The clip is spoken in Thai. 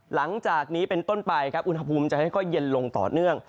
หลังจากนี้เป็นต้นไปครับอุณหภูมิจะค่อยเย็นลงต่อเนื่อง